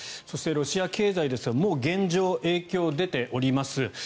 そしてロシア経済ですが現状、影響が出ております。